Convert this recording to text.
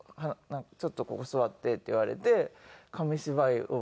「ちょっとここ座って」って言われて紙芝居を。